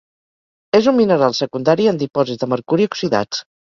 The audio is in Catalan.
És un mineral secundari en dipòsits de mercuri oxidats.